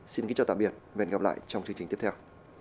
xin kính chào tạm biệt và hẹn gặp lại trong chương trình tiếp theo